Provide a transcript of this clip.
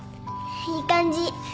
いい感じ